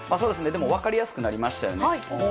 でも分かりやすくなりましたよね。